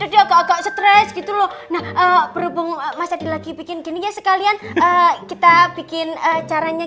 agak agak stress gitu loh nah berhubung masa dilagi bikin gini sekalian kita bikin caranya